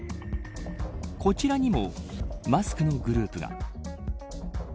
こちらにもマスクのグループが。